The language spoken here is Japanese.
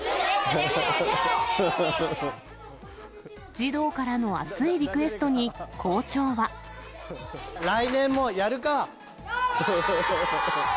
児童からの熱いリクエストに、来年もやるか！